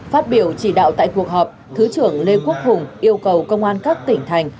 phát biểu chỉ đạo tại cuộc họp thứ trưởng lê quốc hùng yêu cầu công an các tỉnh thành